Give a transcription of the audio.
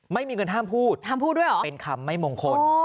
ไม่มีเงินห้ามพูดเป็นคำไม่มงคล